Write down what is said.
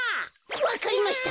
わかりました！